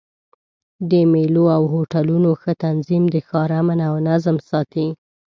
د مېلو او هوټلونو ښه تنظیم د ښار امن او نظم ساتي.